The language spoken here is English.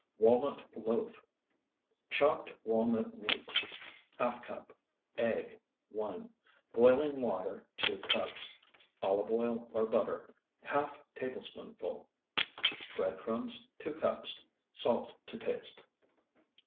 WALNUT LOAF Chopped walnut meats, ½ cup. Egg, 1. Boiling water, 2 cups. Olive oil or butter, ½ tablespoonful. Bread crumbs, 2 cups. Salt to taste.